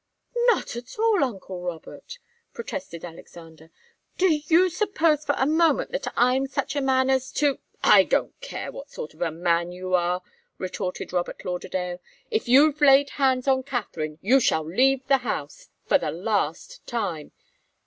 "Not at all, uncle Robert," protested Alexander. "Do you suppose for a moment that I'm such a man as to " "I don't care what sort of man you are!" retorted Robert Lauderdale. "If you've laid hands on Katharine, you shall leave the house for the last time.